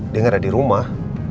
dia gak ada di rumah